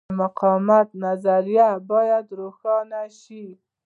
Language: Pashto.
د مقاومت نظریه باید روښانه شي.